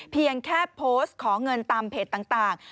เพียงแค่โพสต์ขอเงินตามเพจต่าง